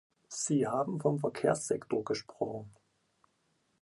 Sie haben vom Verkehrssektor gesprochen.